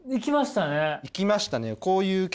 いきましたね。